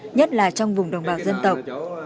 nhất là trong vùng đồng bào dân tộc